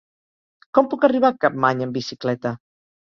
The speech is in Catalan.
Com puc arribar a Capmany amb bicicleta?